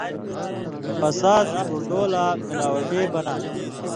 فساد اردو لا مِلاوٹے بناں تھہ